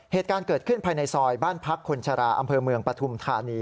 เหตุการณ์เกิดขึ้นภายในซอยบ้านพักคนชราอำเภอเมืองปฐุมธานี